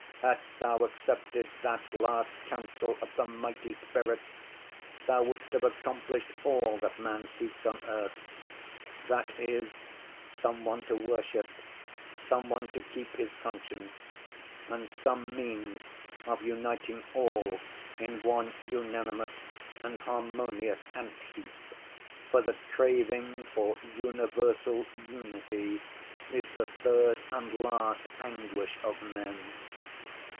Hadst Thou accepted that last counsel of the mighty spirit, Thou wouldst have accomplished all that man seeks on earth—that is, some one to worship, some one to keep his conscience, and some means of uniting all in one unanimous and harmonious ant‐heap, for the craving for universal unity is the third and last anguish of men.